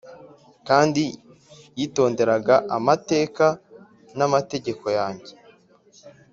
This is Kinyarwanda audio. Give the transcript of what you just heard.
kandi yitonderaga amateka n’amategeko yanjye